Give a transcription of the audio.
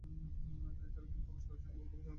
এছাড়া, তিনি প্রকাশ করেছেন বহু গবেষণা পত্র।